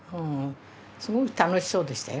すごい楽しそうでしたよ。